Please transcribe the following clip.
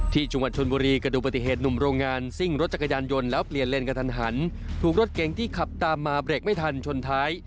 ที่จังหวัดชนบุรีกระดูกปฏิเหตุหนุ่มโรงงานซิ่งรถจักรยานยนต์แล้วเปลี่ยนเลนกระทันหันถูกรถเก๋งที่ขับตามมาเบรกไม่ทันชนท้าย